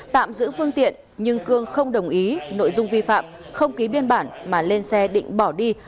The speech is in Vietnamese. tạm giữ phương tiện nhưng cương không đồng ý nội dung vi phạm không ký biên bản mà lên xe định bỏ đi